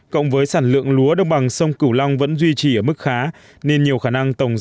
cộng với sản lượng lúa đồng bằng sông cửu long vẫn duy trì ở mức khá nên nhiều khả năng tổng